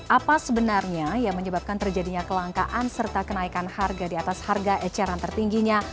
apa sebenarnya yang menyebabkan terjadinya kelangkaan serta kenaikan harga di atas harga eceran tertingginya